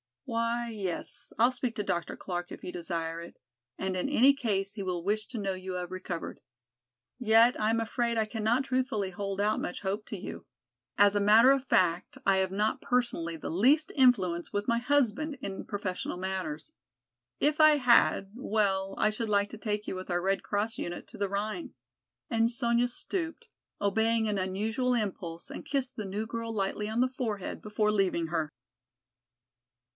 "Why, yes, I'll speak to Dr. Clark if you desire it and in any case he will wish to know you have recovered. Yet I am afraid I cannot truthfully hold out much hope to you. As a matter of fact I have not personally the least influence with my husband in professional matters. If I had, well I should like to take you with our Red Cross unit to the Rhine," and Sonya stooped, obeying an unusual impulse and kissed the new girl lightly on the forehead before leaving her.